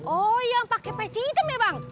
oh yang pakai peci hitam ya bang